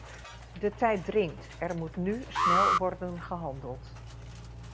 De tijd dringt, er moet nu snel worden gehandeld.